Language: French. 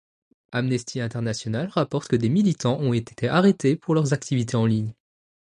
Amnesty International rapporte que des militants ont été arrêtés pour leurs activités en ligne.